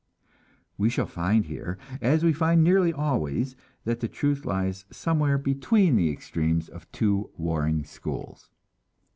We shall find here, as we find nearly always, that the truth lies somewhere between the extremes of two warring schools.